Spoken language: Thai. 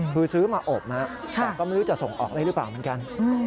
คือซื้อมาอบแต่ก็ไม่รู้จะส่งออกได้หรือเปล่าเหมือนกัน